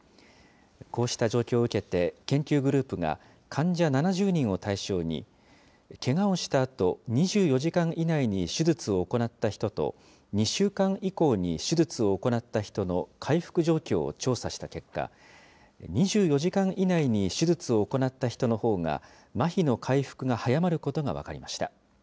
こうした状況を受けて、研究グループが、患者７０人を対象に、けがをしたあと２４時間以内に手術を行った人と、２週間以降に手術を行った人の回復状況を調査した結果、２４時間以内に手術を行った人のほうがまひの回復が早まることが分かりました。